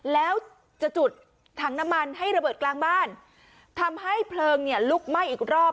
แล้วจะจุดถังน้ำมันให้ระเบิดกลางบ้านทำให้เพลิงเนี่ยลุกไหม้อีกรอบ